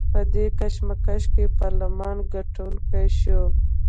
په دې کشمکش کې پارلمان ګټونکی شو.